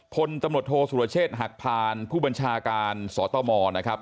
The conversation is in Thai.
พลตำรวจโทษสุรเชษฐ์หักพานผู้บัญชาการสตมนะครับ